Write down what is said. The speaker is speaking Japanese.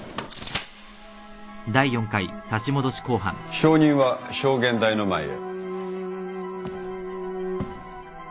証人は証言台の前へ。